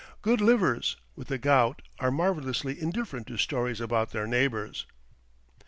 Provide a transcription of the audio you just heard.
Good livers, with the gout, are marvellously indifferent to stories about their neighbours.